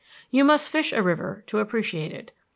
You must fish a river to appreciate it.